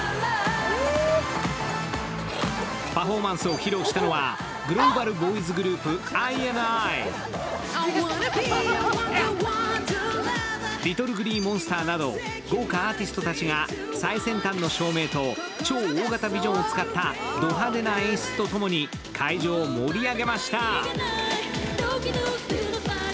パフォーマンスを披露したのはグローバルボーイズグループ、ＩＮＩＬｉｔｔｌｅＧｌｅｅＭｏｎｓｔｅｒなど豪華アーティストたちが最先端の照明と超大型ビジョンを使ったド派手な演出とともに会場を盛り上げました。